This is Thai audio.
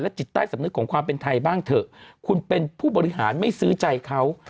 จิตใต้สำนึกของความเป็นไทยบ้างเถอะคุณเป็นผู้บริหารไม่ซื้อใจเขา